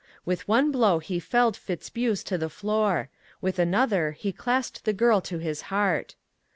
With one blow he felled Fitz buse to the floor; with another he clasped the girl to his heart.